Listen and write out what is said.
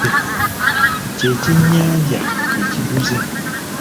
Kye kyennyanja ekiduze.